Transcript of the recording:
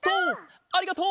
ありがとう！